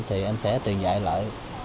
thì em sẽ truyền dạy lại